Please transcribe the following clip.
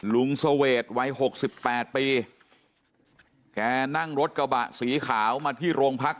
เสวดวัยหกสิบแปดปีแกนั่งรถกระบะสีขาวมาที่โรงพัก